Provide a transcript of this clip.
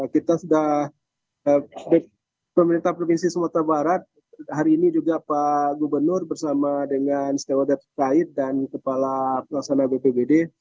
kita sudah pemerintah provinsi sumatera barat hari ini juga pak gubernur bersama dengan stakeholder terkait dan kepala pelaksana bpbd